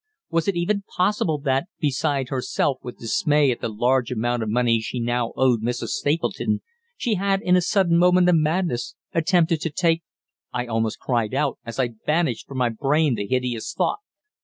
Was it even possible that, beside herself with dismay at the large amount of money she now owed Mrs. Stapleton, she had in a sudden moment of madness attempted to take I almost cried out as I banished from my brain the hideous thought.